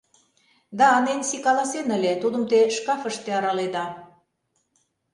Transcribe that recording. — Да, Ненси каласен ыле, тудым те шкафыште араледа.